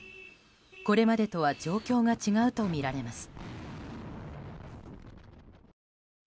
これまでとは状況が違うとみられます。